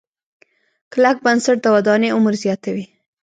کلک بنسټ د ودانۍ عمر زیاتوي.